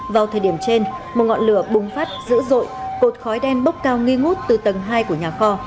vào thời điểm trên một ngọn lửa bùng phát dữ dội cột khói đen bốc cao nghi ngút từ tầng hai của nhà kho